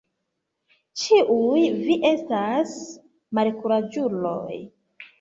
Ĉiuj vi estas malkuraĝuloj.